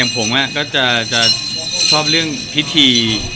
ผมก็จะชอบเรื่องพิธี